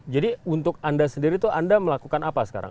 jadi untuk anda sendiri tuh anda melakukan apa sekarang